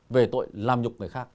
về tội làm nhục người khác